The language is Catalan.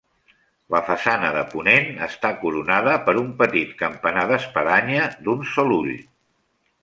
La façana de ponent està coronada per un petit campanar d'espadanya d'un sol ull.